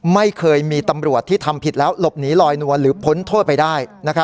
ไม่เคยมีตำรวจที่ทำผิดแล้วหลบหนีลอยนวลหรือพ้นโทษไปได้